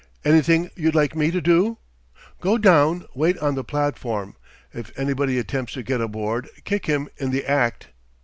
"Anything you'd like me to do?" "Go down, wait on the platform, if anybody attempts to get aboard kick him in the act."